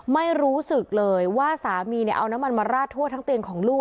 ไม่รู้สึกเลยว่าสามีเอาน้ำมันมาราดทั่วทั้งเตียงของลูก